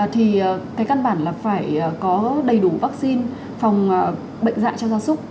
thì cái căn bản là phải có đầy đủ vaccine phòng bệnh dạy cho gia súc